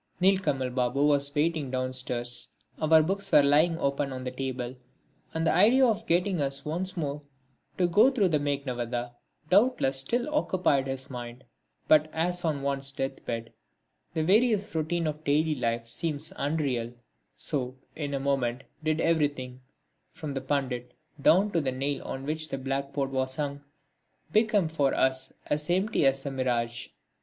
Nilkamal Babu was waiting downstairs, our books were lying open on the table, and the idea of getting us once more to go through the Meghnadvadha doubtless still occupied his mind. But as on one's death bed the various routine of daily life seems unreal, so, in a moment, did everything, from the Pandit down to the nail on which the blackboard was hung, become for us as empty as a mirage.